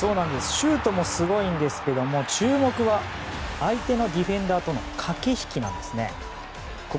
シュートもすごいんですけど注目は相手のディフェンダーとの駆け引きなんですね。